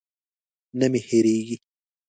نه مې هېرېږي.